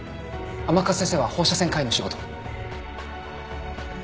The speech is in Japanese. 甘春先生は放射線科医の仕事を。